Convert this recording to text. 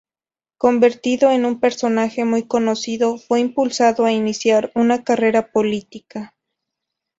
Convertido en un personaje muy conocido, fue impulsado a iniciar una carrera política.